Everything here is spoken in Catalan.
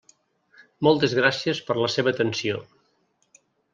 Moltes gràcies per la seva atenció.